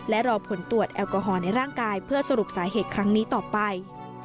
และรอผลตรวจแอลกอฮอลในร่างกายเพื่อสรุปสาเหตุครั้งนี้ต่อไป